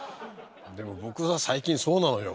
でも僕が最近そうなのよ。